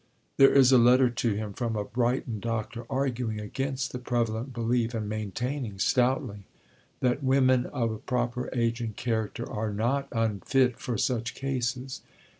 There is a letter to him from a Brighton doctor arguing against the prevalent belief, and maintaining stoutly that "women of a proper age and character are not unfit for such cases.